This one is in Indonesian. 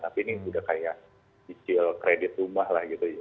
tapi ini udah kayak cicil kredit rumah lah gitu